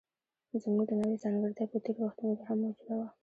زموږ د نوعې ځانګړتیا په تېرو وختونو کې هم موجوده وه.